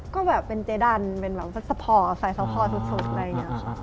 ก็แบบเป็นเจดันเป็นแบบสะพอใส่สะพอสุดอะไรอย่างนี้ค่ะ